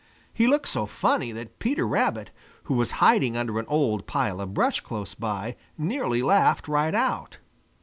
He looked so funny that Peter Rabbit, who was hiding under an old pile of brush close by, nearly laughed right out.